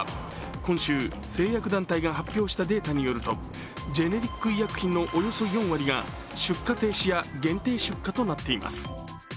今週、製薬団体が発表したデータによると、ジェネリック医薬品のおよそ４割が出荷停止や限定出荷となっています。